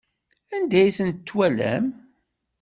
Anda ay tent-twalam?